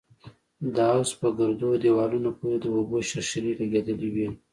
د حوض په ګردو دېوالونو پورې د اوبو شرشرې لگېدلې وې.